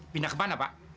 pindah ke mana pak